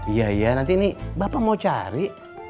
iya iya nanti ini bapak mau cari